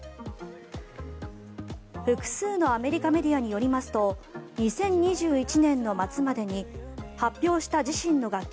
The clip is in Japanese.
複数のアメリカメディアによりますと２０２１年の末までに発表した自身の楽曲